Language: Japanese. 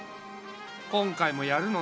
今回もやるのね。